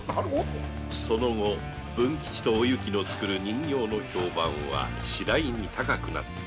その後文吉とおゆきの作る人形の評判は次第に高くなっていった